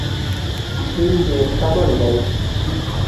سپین ډېر شتمن دی